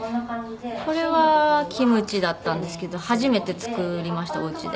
これはキムチだったんですけど初めて作りましたお家で。